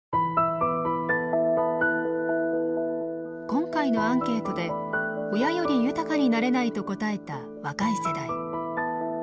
今回のアンケートで親より豊かになれないと答えた若い世代。